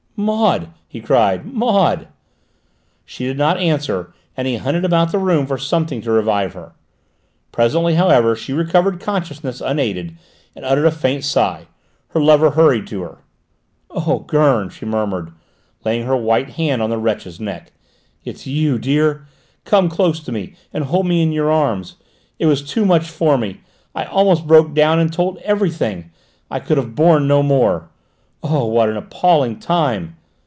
"Maud!" he called. "Maud!" She did not answer and he hunted about the room for something to revive her. Presently, however, she recovered consciousness unaided and uttered a faint sigh. Her lover hurried to her. "Oh, Gurn," she murmured, laying her white hand on the wretch's neck: "it's you, dear! Come close to me, and hold me in your arms! It was too much for me! I almost broke down and told everything! I could have borne no more. Oh, what an appalling time!"